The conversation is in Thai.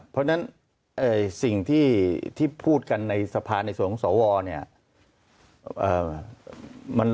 เพราะฉะนั้นสิ่งที่พูดกันในสภาในส่วนของสวเนี่ย